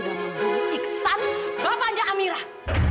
bapak seorang pembunuh